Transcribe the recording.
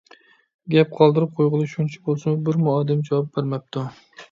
گەپ قالدۇرۇپ قويغىلى شۇنچە بولسىمۇ بىرمۇ ئادەم جاۋاب بەرمەپتۇ.